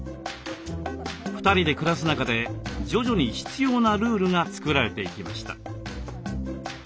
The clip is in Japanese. ２人で暮らす中で徐々に必要なルールが作られていきました。